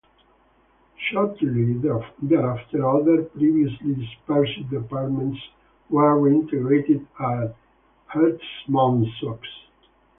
Shortly thereafter, other previously dispersed departments were reintegrated at Herstmonceux.